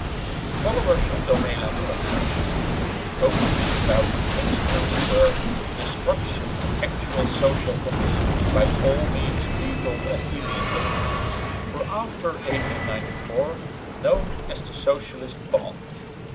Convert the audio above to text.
The followers of Domela Nieuwenhuis, whose openly avowed principles were "the destruction of actual social conditions by all means legal and illegal," were after 1894 known as "the Socialist Bond."